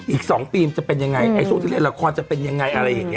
อีก๒ปีจะเป็นอย่างไรส่วนที่เล่นละครจะเป็นอย่างไรอะไรอย่างนี้